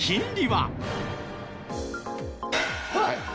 はい。